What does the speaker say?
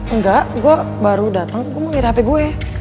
engga gua baru datang gua mau ngira hp gue